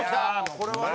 これはね。